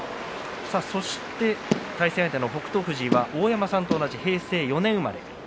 対戦相手の北勝富士は大山さんと同じ平成４年生まれです。